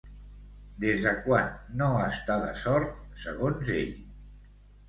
Des de quan no està de sort, segons ell?